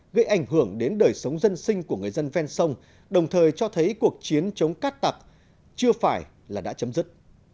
gây ảnh hưởng đến đời sống dân sinh của người dân ven sông đồng thời cho thấy cuộc chiến chống cát tặc chưa phải là đã chấm dứt